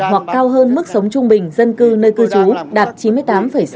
hoặc cao hơn mức sống trung bình dân cư nơi cư trú đạt chín mươi tám sáu mươi